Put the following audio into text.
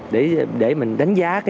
để mình đánh giá